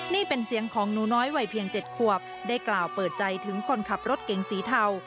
นี่เป็นเสียงของหนูน้อยวัยเพียง๗ขวบได้กล่าวเปิดใจถึงคนขับรถเก๋งสีเทา